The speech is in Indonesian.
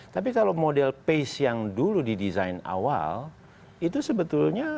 tapi kalau model pace yang dulu didesain awal itu sebetulnya